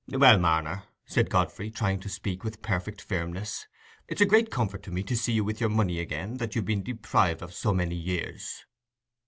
"Well, Marner," said Godfrey, trying to speak with perfect firmness, "it's a great comfort to me to see you with your money again, that you've been deprived of so many years.